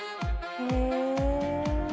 へえ。